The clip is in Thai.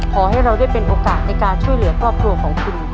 ขอให้เราได้เป็นโอกาสในการช่วยเหลือครอบครัวของคุณ